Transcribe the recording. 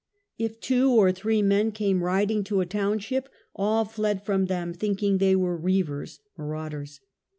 ... If two or three men came riding to a township, all fled from them thinking they were reavers (marauders).